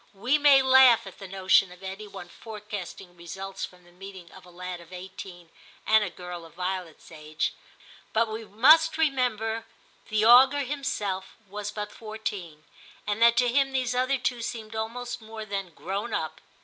We may laugh at the notion of any one forecasting results from the meeting of a lad of eighteen and a girl of Violet's age, but we must remember the VIII TIM 185 augur himself was but fourteen, and that to him these other two seemed almost more than grown up.